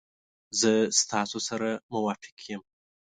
زه ستاسو سره موافق یم.